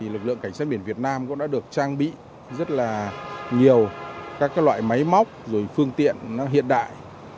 lực lượng cảnh sát biển việt nam cũng đã được trang bị rất là nhiều các loại máy móc phương tiện hiện đại